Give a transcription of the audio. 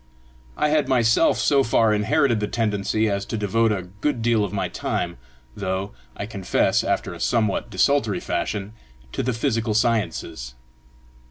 I had myself so far inherited the tendency as to devote a good deal of my time, though, I confess, after a somewhat desultory fashion, to the physical sciences.